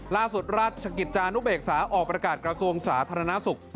ล่าสุดราชกิจจานุเบกษาออกประกาศกระทรวงสาธารณสุข